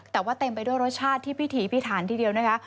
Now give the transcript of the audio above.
แต่ว่าเต็มไปด้วยรสชาติที่พิถีพิถันทีเดียวนะคะ